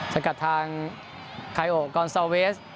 สกัดทางไคโอกอนซอเวส